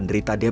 ketika di bali